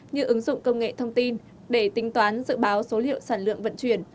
như ứng dụng công nghệ thông tin để tính toán dự báo số liệu sản lượng vận chuyển